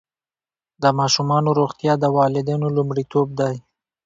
د ماشومانو روغتیا د والدینو لومړیتوب دی.